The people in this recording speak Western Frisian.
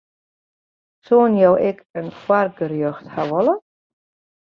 Soenen jo ek in foargerjocht hawwe wolle?